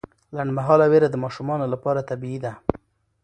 لنډمهاله ویره د ماشومانو لپاره طبیعي ده.